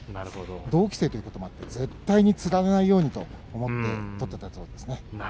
同期生ということもあって絶対につられないようにと思って取っていたそうです。